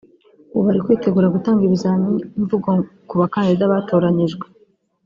ubu bari kwitegura gutanga ibizamini mvugo ku bakandida batoranyijwe